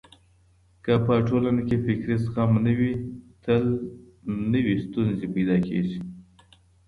که په ټولنه کي فکري زغم نه وي تل نوې ستونزې پيدا کېږي.